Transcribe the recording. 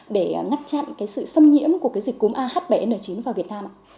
để ngăn chặn cái sự xâm nhiễm của cái dịch cúm ah bảy n chín vào việt nam ạ